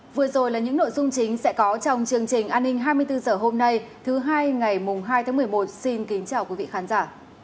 vừa rồi là những nội dung chính sẽ có trong chương trình an ninh hai mươi bốn h hôm nay thứ hai ngày mùng hai tháng một mươi một xin kính chào quý vị khán giả